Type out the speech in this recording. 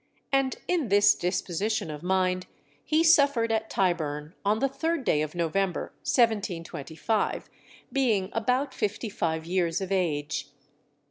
And in this disposition of mind he suffered at Tyburn, on the 3rd day of November, 1725, being about fifty five years of age.